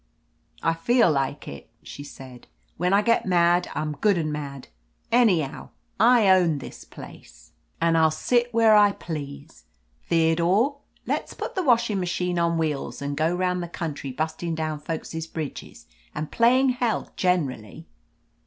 "I feel like it," she said. "When I get mad I'm good an' mad. Anyhow, I own this place, 236 OF LETITIA CARBERRY and 1*11 sit where I please. Theodore, let's put the washing machine on wheels and go round the country bustin' down folks' bridges and playin' hell generally